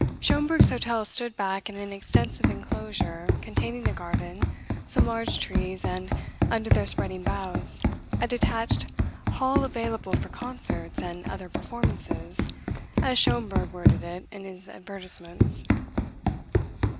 Schomberg's hotel stood back in an extensive enclosure containing a garden, some large trees, and, under their spreading boughs, a detached "hall available for concerts and other performances," as Schomberg worded it in his advertisements.